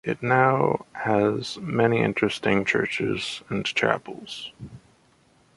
It now has many interesting churches and chapels.